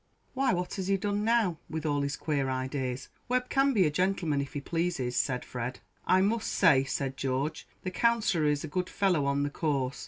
"Why, what has he done now? With all his queer ideas, Webb can be a gentleman if he pleases," said Fred. "I must say," said George, "the Counsellor is a good fellow on the course.